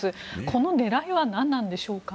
この狙いは何なんでしょうか。